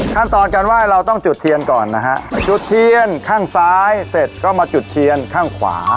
ขั้นตอนการไหว้เราต้องจุดเทียนก่อนนะฮะจุดเทียนข้างซ้ายเสร็จก็มาจุดเทียนข้างขวา